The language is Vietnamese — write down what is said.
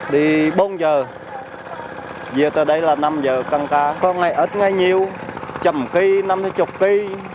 đi bốn giờ về tới đây là năm giờ cân cá có ngày ít ngày nhiều trầm ký năm mươi ký